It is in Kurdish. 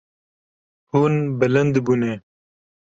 Hûn bilind bûne.